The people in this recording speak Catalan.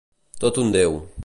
Tot un Déu.